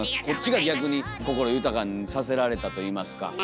こっちが逆に心豊かにさせられたといいますか。